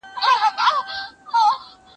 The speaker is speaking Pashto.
د ورځي یوازي سل سل جملې همکاري وکړي.